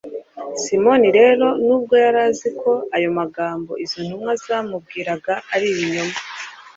simoni rero, n'ubwo yari azi ko ayo magambo izo ntumwa zamubwiraga ari ibinyoma